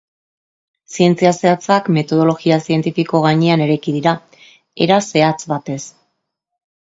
Zientzia zehatzak metodologia zientifiko gainean eraiki dira, era zehatz batez.